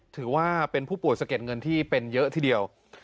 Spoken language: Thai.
ถือว่าเป็นผู้ป่วยสะเก็ดเงินที่เป็นเยอะทีเดียว